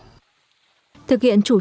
thực hiện chủ trương truyền thống